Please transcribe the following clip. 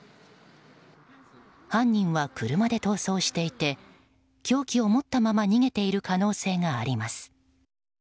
犯人は車で逃走していて凶器を持ったまま逃げている可能性があります。